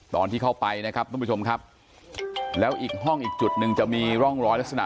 ตอนที่เข้าไปนะครับทุกผู้ชมครับแล้วอีกห้องอีกจุดหนึ่งจะมีร่องรอยลักษณะ